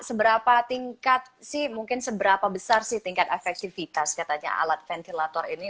seberapa tingkat sih mungkin seberapa besar sih tingkat efektivitas katanya alat ventilator ini